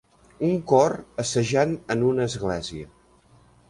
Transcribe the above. Un cor assajant en una església.